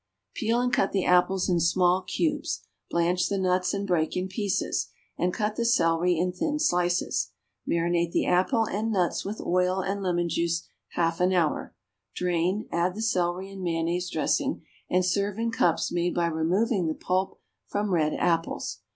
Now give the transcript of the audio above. = Peel and cut the apples in small cubes; blanch the nuts and break in pieces, and cut the celery in thin slices; marinate the apple and nuts with oil and lemon juice half an hour; drain, add the celery and mayonnaise dressing, and serve in cups made by removing the pulp from red apples.